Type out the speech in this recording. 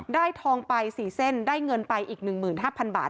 ทองไป๔เส้นได้เงินไปอีก๑๕๐๐บาท